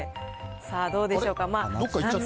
さあ、どうでしょうか。